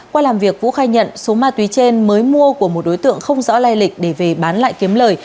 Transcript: qua làm việc vũ khai nhận số ma túy trên mới mua của một đối tượng không rõ lai lịch để về bán lại kiếm lời